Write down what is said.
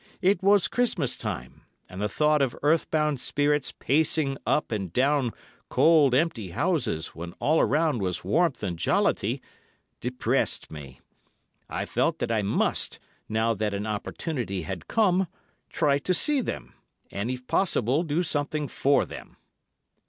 It was Christmas time, and the thought of earthbound spirits pacing up and down cold, empty houses, when all around was warmth and jollity, depressed me. I felt that I must, now that an opportunity had come, try to see them, and if possible do something for them.